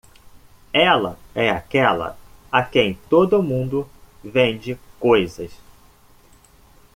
Ela é aquela a quem todo mundo vende coisas.